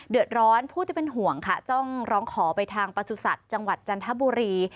เดือดร้อนผู้ที่เป็นห่วงค่ะต้องร้องขอไปทางประสุทธิ์จังหวัดจันทบุรี